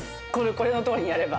これのとおりにやれば。